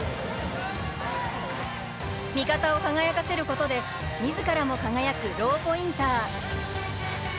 味方を輝かせることでみずからも輝くローポインター。